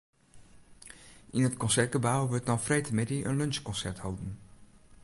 Yn it Konsertgebou wurdt no freedtemiddei in lunsjkonsert holden.